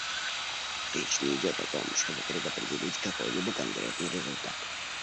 Речь не идет о том, чтобы предопределить какой-либо конкретный результат.